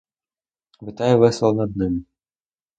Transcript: Витає весело над ним.